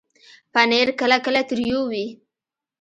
پنېر کله کله تریو وي.